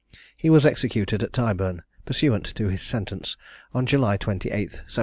He was executed at Tyburn, pursuant to his sentence, on July 28th 1779.